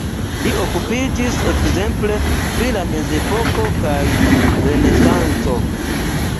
Li okupiĝis ekzemple pri la mezepoko kaj renesanco.